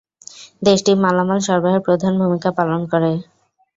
দেশটি মালামাল সরবরাহে প্রধান ভূমিকা পালন করে।